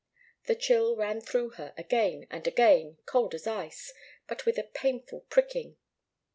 The chill ran through her again and again, cold as ice, but with a painful pricking.